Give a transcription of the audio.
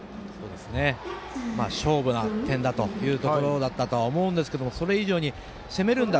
勝負な点だというところだったと思うんですけどそれ以上に攻めるんだ。